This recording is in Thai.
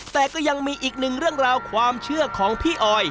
แต่ก็ยังมีอีกหนึ่งเรื่องราวความเชื่อของพี่ออย